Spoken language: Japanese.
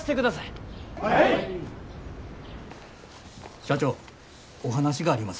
社長お話があります。